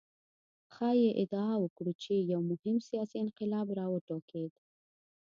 ښايي ادعا وکړو چې یو مهم سیاسي انقلاب راوټوکېد.